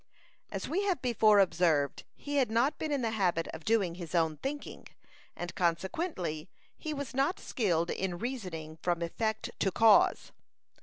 As we have before observed, he had not been in the habit of doing his own thinking, and, consequently, he was not skilled in reasoning from effect to cause.